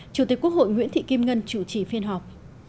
chủ tịch quốc hội nguyễn thị kim ngân chủ trì phiên họp